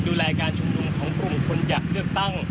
ดูแลการชุมนุมของกลุ่มคนอยากเลือกตั้ง